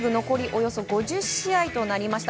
およそ５０試合となりました。